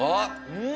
うん！